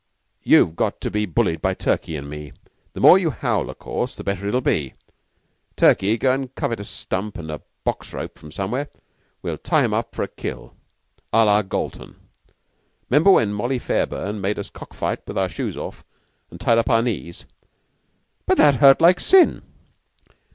You've got to be bullied by Turkey an' me. The more you howl, o' course, the better it'll be. Turkey, go an' covet a stump and a box rope from somewhere. We'll tie him up for a kill à la Galton. 'Member when 'Molly' Fairburn made us cock fight with our shoes off, an' tied up our knees?" "But that hurt like sin."